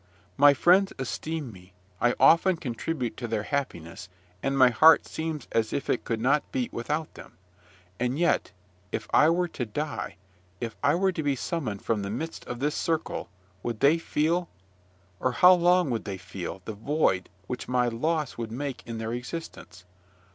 My friends esteem me; I often contribute to their happiness, and my heart seems as if it could not beat without them; and yet if I were to die, if I were to be summoned from the midst of this circle, would they feel or how long would they feel the void which my loss would make in their existence?